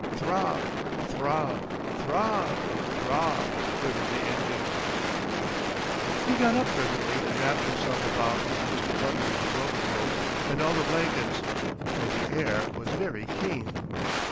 Throb, throb, throb, throb, quivered the engine. He got up presently and wrapped himself about with Mr. Butteridge's overcoat and all the blankets, for the air was very keen.